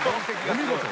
お見事。